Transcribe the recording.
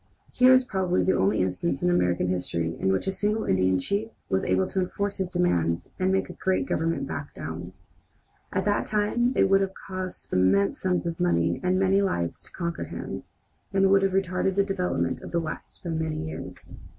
Here is probably the only instance in American history in which a single Indian chief was able to enforce his demands and make a great government back down. At that time it would have cost immense sums of money and many lives to conquer him, and would have retarded the development of the West by many years.